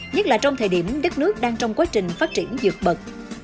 nhất là trong thời điểm đất nước đang trong quá trình phát triển dược bật